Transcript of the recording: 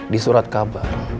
di surat kabar